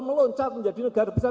meluncat menjadi negara besar